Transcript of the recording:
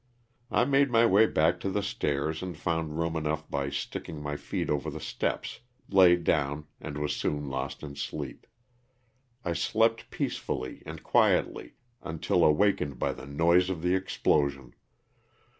I made my way back to the stairs and found room enough by sticking my feet over the steps, laid down and was soon lost in sleep. I slept peacefully and quietly until awakened by the noise of the explosion.